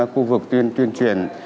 khu vực tuyên truyền